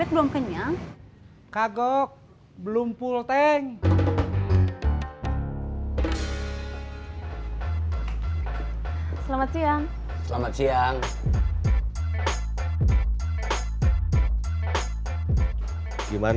bagi gak sehat